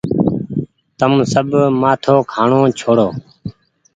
تم سب مآٿو کآڻو ڇوڙو۔